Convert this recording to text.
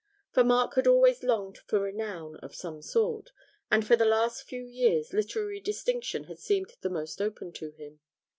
For Mark had always longed for renown of some sort, and for the last few years literary distinction had seemed the most open to him.